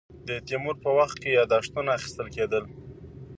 د تیمور په وخت کې یاداښتونه اخیستل کېدل.